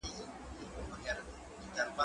زه بايد شګه پاک کړم؟!